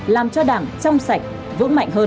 làm cho đảng trong sạch vững mạnh hơn